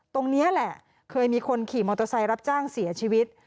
ตรงนี้แหละเคยมีคนขี่มอเตอร์ไซค์รับจ้างเสียชีวิต